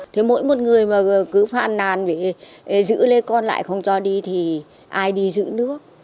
thế mỗi một người mà cứ phàn nàn giữ lấy con lại không cho đi thì ai đi giữ nước